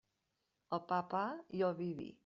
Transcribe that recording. Al pa, pa, i al vi, vi.